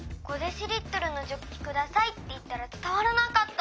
『５ｄＬのジョッキください』っていったらつたわらなかったの。